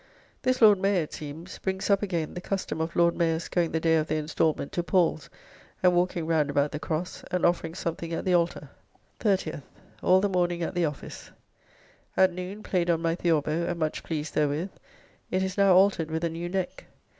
This Lord Mayor, it seems, brings up again the Custom of Lord Mayors going the day of their installment to Paul's, and walking round about the Cross, and offering something at the altar. 30th. All the morning at the office. At noon played on my Theorbo, and much pleased therewith; it is now altered with a new neck.